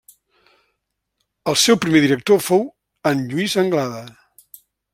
El seu primer director fou en Lluís Anglada.